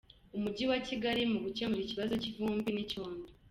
Umujyi wa Kigali mu gukemura ikibazo cy’ivumbi n’icyondo